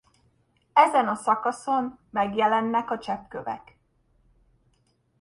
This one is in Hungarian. Ezen a szakaszon megjelennek a cseppkövek.